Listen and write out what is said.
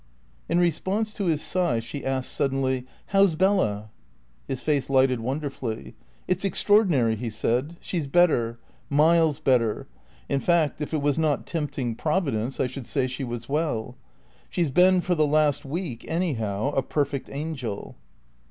In response to his sigh she asked suddenly, "How's Bella?" His face lighted wonderfully. "It's extraordinary," he said; "she's better. Miles better. In fact, if it was not tempting Providence, I should say she was well. She's been, for the last week anyhow, a perfect angel."